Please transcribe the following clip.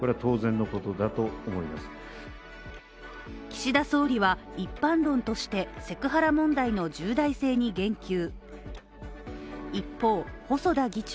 岸田総理は、一般論として、セクハラ問題の重大性に言及。